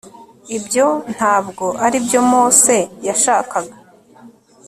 ibyo ntabwo ari byo mose yashakaga